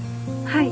はい。